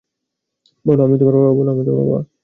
বলো আমি তোমার বাবা।